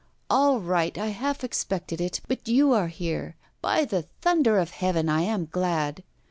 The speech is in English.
'All right, I half expected it; but you are here. By the thunder of heaven, I am glad!